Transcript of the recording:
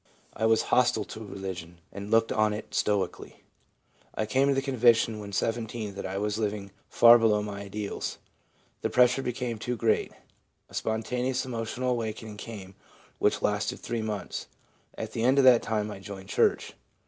I was hostile to religion, and looked on it stoically. I came to the conviction when 17 that I was living far below my ideals. The pressure became too great. A spon taneous emotional awakening came which lasted three months. At the end of that time I joined church.